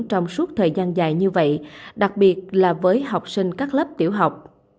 trong suốt thời gian dài như vậy đặc biệt là với học sinh các lớp tiểu học